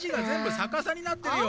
さかさになってるよ。